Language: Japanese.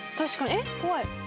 えっ怖い。